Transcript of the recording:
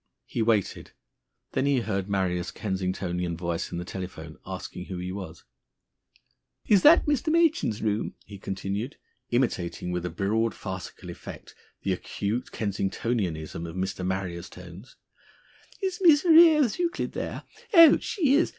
He waited. Then he heard Marrier's Kensingtonian voice in the telephone, asking who he was. "Is that Mr. Machin's room?" he continued, imitating with a broad farcical effect the acute Kensingtonianism of Mr. Marrier's tones. "Is Miss Ra ose Euclid there? Oh! She is?